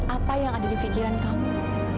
apa yang ada di pikiran kamu